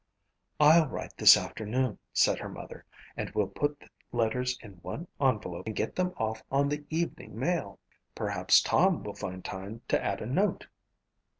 "I'll write this afternoon," said her mother, "and we'll put the letters in one envelope and get them off on the evening mail. Perhaps Tom will find time to add a note."